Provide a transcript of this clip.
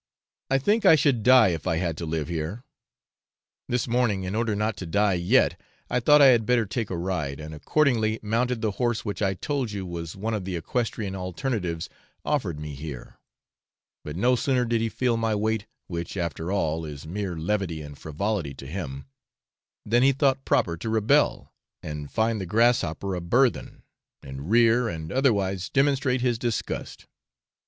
I think I should die if I had to live here. This morning, in order not to die yet, I thought I had better take a ride, and accordingly mounted the horse which I told you was one of the equestrian alternatives offered me here; but no sooner did he feel my weight, which, after all, is mere levity and frivolity to him, than he thought proper to rebel, and find the grasshopper a burthen, and rear and otherwise demonstrate his disgust.